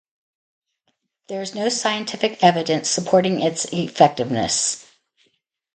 There is no scientific evidence supporting its effectiveness.